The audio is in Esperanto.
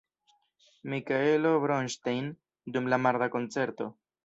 Mikaelo Bronŝtejn dum la marda koncerto.